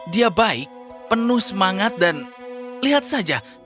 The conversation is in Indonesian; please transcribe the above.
dia baik penuh semangat dan lihat saja